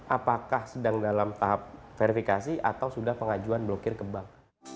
apakah sedang dalam tahap verifikasi atau sudah pengajuan blokir ke bank